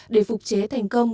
để phục chế thành công